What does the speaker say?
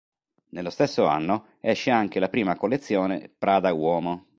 Nello stesso anno esce anche la prima collezione "Prada Uomo".